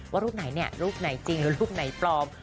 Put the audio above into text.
ว่ารูปไหนเนี่ยรูปไหนจริงรูปไหนปลอม